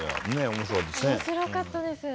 面白かったですね。